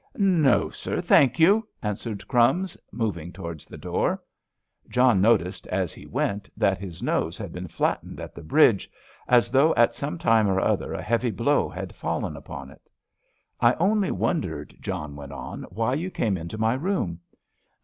"No, sir, thank you," answered "Crumbs," moving towards the door. John noticed, as he went, that his nose had been flattened at the bridge, as though at some time or other a heavy blow had fallen upon it. "I only wondered," John went on, "why you came into my room."